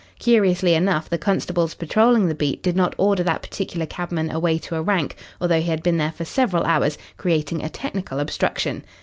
Curiously enough the constables patrolling the beat did not order that particular cabman away to a rank, although he had been there for several hours, creating a technical obstruction.